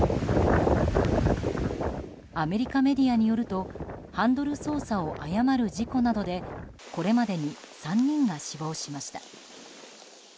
アメリカメディアによるとハンドル操作を誤る事故などでこれまでに３人が死亡しました。